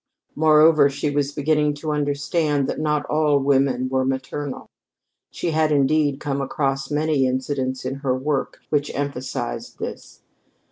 Moreover, she was beginning to understand that not all women were maternal. She had, indeed, come across many incidents in her work which emphasized this.